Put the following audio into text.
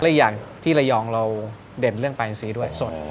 และอีกอย่างที่ระยองเราเด่นเรื่องปลาอินซีด้วยสด